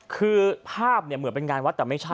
คือภาพเหมือนเป็นงานวัดแต่ไม่ใช่